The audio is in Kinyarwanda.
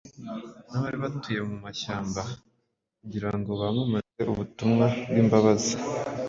n’abari batuye mu mashyamba kugira ngo bamamaze ubutumwa bw’imbabazi.